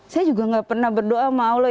saya juga gak pernah berdoa sama allah